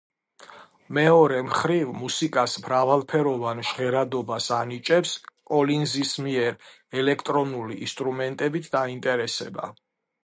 მეორე მხრივ, მუსიკას მრავალფეროვან ჟღერადობას ანიჭებს კოლინზის მიერ ელექტრონული ინსტრუმენტებით დაინტერესება.